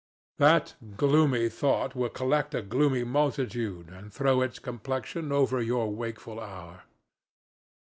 That gloomy thought will collect a gloomy multitude and throw its complexion over your wakeful hour.